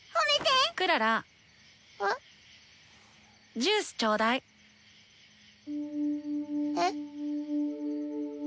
ジュースちょうだい。え？